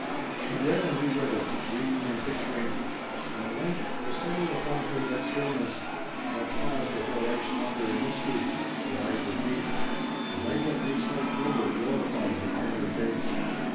She read and re read it, dreaming and picturing. And at length there settled upon her that stillness, that pause before life's wonder and mystery. Her eyes were deep. The light that makes life noble glorified her tender face.